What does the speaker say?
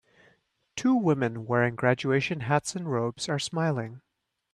Two women wearing graduation hats and robes are smiling.